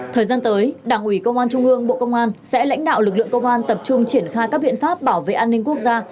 thời gian tới đảng ủy công an trung ương bộ công an sẽ lãnh đạo lực lượng công an tập trung triển khai các biện pháp bảo vệ an ninh quốc gia